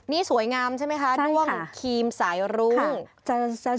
นี่สวยงามใช่ไหมคะด้วงครีมสายรุ้งค่ะใช่ค่ะ